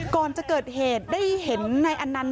ก่อนจะเกิดเหตุได้เห็นที่ในอันนี้